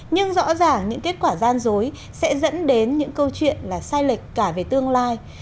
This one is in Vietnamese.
nhưng rõ ràng những kết quả gian dối sẽ dẫn đến những câu chuyện là sai lệch cả về tương lai